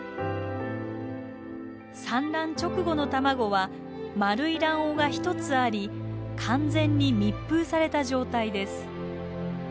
産卵直後の卵は丸い卵黄が１つあり完全に密封された状態です。